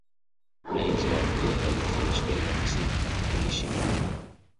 Hayes' work is generally finished by waxing and polishing.